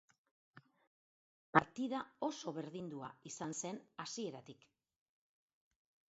Partida oso berdindua izan zen hasieratik.